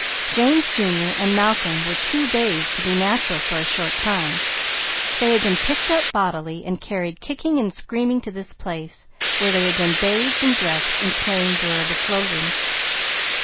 James Jr. and Malcolm were too dazed to be natural for a short time. They had been picked up bodily, and carried kicking and screaming to this place, where they had been dressed in plain durable clothing.